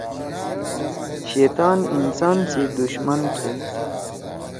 شیطان انسان سی دشمن تُھو۔